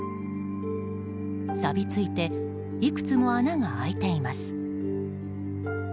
さびついていくつも穴が開いています。